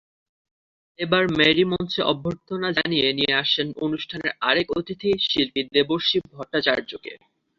এবার মেরি মঞ্চে অভ্যর্থনা জানিয়ে নিয়ে আসেন অনুষ্ঠানের আরেক অতিথি শিল্পী দেবর্ষী ভট্টাচার্যকে।